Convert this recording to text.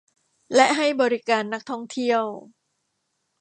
และให้บริการนักท่องเที่ยว